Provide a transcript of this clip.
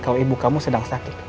kalau ibu kamu sedang sakit